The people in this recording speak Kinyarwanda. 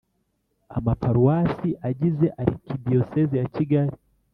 amaparuwasi agize Arikidiyosezi ya Kigali